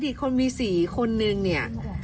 อีกคนมีสีคนนึงเนี่ย